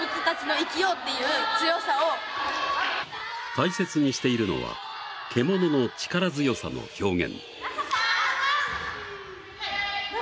大切にしているのは獣の力強さの表現。